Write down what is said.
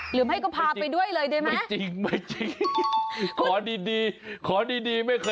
หรือไม่ให้เขาพาไปด้วยเลยได้ไหม